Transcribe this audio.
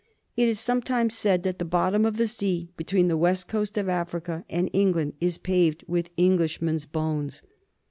It is sometimes said that the bottom of the sea between the West Coast of Africa and England is paved with English men's bones.